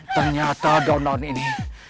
ternyata daun daun ini